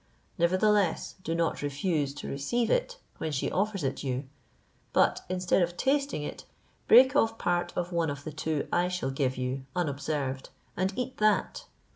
Nevertheless, do not refuse to receive it, when she offers it you; but instead of tasting it, break off part of one of the two I shall give you, unobserved, and eat that.